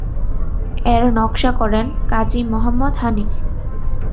এর নকশা করেন কাজী মোহাম্মদ হানিফ।